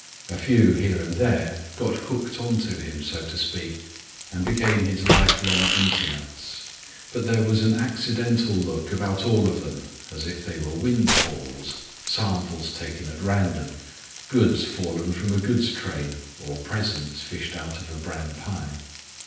A few here and there got hooked on to him, so to speak, and became his lifelong intimates, but there was an accidental look about all of them as if they were windfalls, samples taken at random, goods fallen from a goods train or presents fished out of a bran pie.